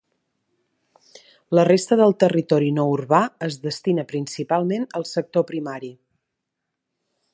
La resta del territori no urbà es destina principalment al sector primari.